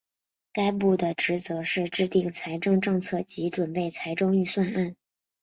该部的职责是制定财政政策及准备财政预算案。